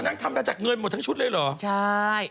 อ๋อนางทำแล้วจักเงินหมดทั้งชุดเลยเหรอใช่